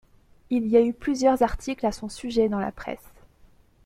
Il y a eu plusieurs articles à son sujet dans la presse.